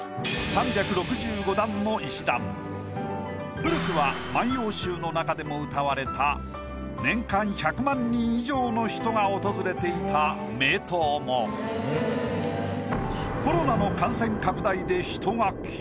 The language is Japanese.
古くは『万葉集』の中でも歌われた年間１００万人以上の人が訪れていた名湯もコロナの感染拡大で。